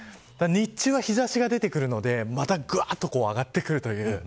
日中は日差しが出てくるのでまた上がってくるという。